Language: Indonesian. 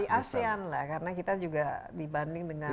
di asean lah karena kita juga dibanding dengan